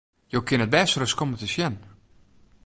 Jo kinne it bêste ris komme te sjen!